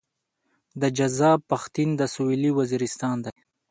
دا جذاب پښتين د سويلي وزيرستان دی.